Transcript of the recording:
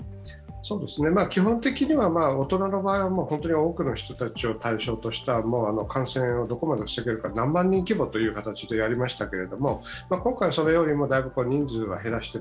基本的には大人の場合は多くの人たちを対象とした感染をどこまで防げるか、何万人規模という形でやりましたけれども今回はそれよりもだいぶ人数は減らして。